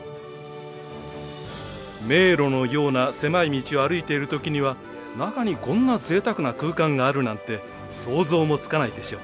迷路のような狭い道を歩いている時には中にこんな贅沢な空間があるなんて想像もつかないでしょう。